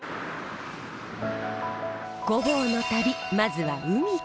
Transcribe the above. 御坊の旅まずは海から。